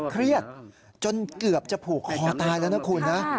เครียดจนเกือบจะผูกคอตายแล้วนะคุณนะ